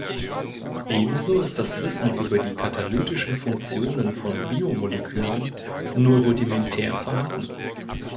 Ebenso ist das Wissen über die katalytischen Funktionen von Biomolekülen nur rudimentär vorhanden.